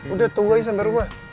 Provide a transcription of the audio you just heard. udah tunggu ya sampe rumah